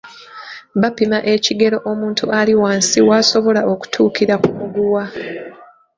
Bapima ekigero omuntu ali wansi w’asobola okutuukira ku muguwa.